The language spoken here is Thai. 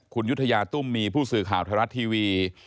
คุณยุธยาตุ้มมีผู้สื่อข่าวไทยรัฐทีวี